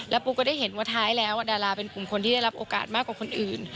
ปูก็ได้เห็นว่าท้ายแล้วดาราเป็นกลุ่มคนที่ได้รับโอกาสมากกว่าคนอื่น